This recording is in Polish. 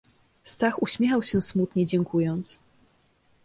"Stach uśmiechał się smutnie, dziękując."